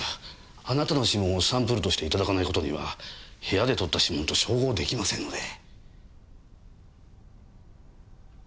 あなたの指紋をサンプルとして頂かない事には部屋で採った指紋と照合出来ませんので。